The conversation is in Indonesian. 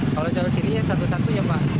kalau jauh sini satu satunya pak